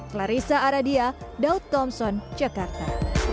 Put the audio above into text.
clarissa aradia daud thompson jakarta